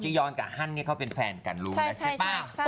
จียอนกับฮ่านก็เป็นแฟนกันรู้นะใช่ป่าว